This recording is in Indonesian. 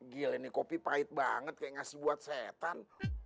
gila ini kopi pahit banget kayak ngasih buat setan